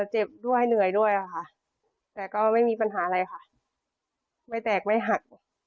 เจ็บด้วยเหนื่อยด้วยค่ะแต่ก็ไม่มีปัญหาอะไรค่ะไม่แตกไม่หัก